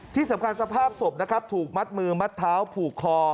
ที่สำคัญสภาพศพนะครับถูกมัดมือมัดเท้าผูกคอ